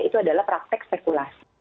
itu adalah praktek spekulasi